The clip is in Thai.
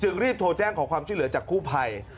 จึงรีบโทรแจ้งของความชื้อเหลือจากคู่ภัย